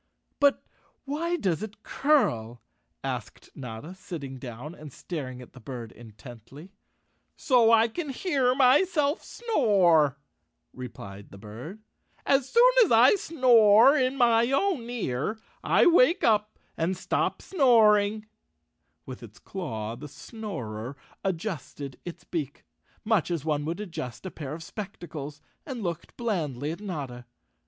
"But why does it curl?" asked Notta, sitting down and staring at the bird intently. 160 Notta disguised as a huge fish — Chapter 14 _ Chapter Twelve " So I can hear myself snore," replied the bird. "As soon as I snore in my own ear I wake up and stop snoring." With its claw the Snorer adjusted its beak, much as one would adjust a pair of spectacles, and looked blandly at Notta.